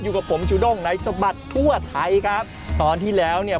อยู่กับผมจูด้งในสบัดทั่วไทยครับตอนที่แล้วเนี่ย